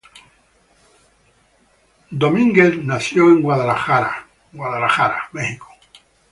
Sherwood nació en Arkansas City, Kansas.